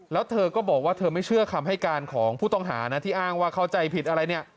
แล้วเธอก็บอกว่าเธอไม่เชื่อคำให้การของผู้ต้องหานะที่อ้างว่าเข้าใจผิดอะไรเนี่ย